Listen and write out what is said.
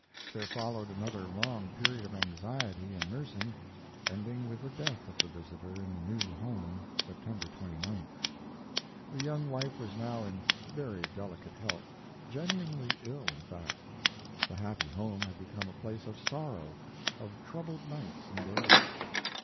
There followed another long period of anxiety and nursing, ending with the death of the visitor in the new home, September 29th. The young wife was now in very delicate health; genuinely ill, in fact. The happy home had become a place of sorrow of troubled nights and days.